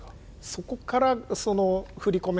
そこからその振り込め